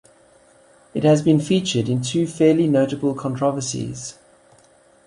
It has been featured in two fairly notable controversies.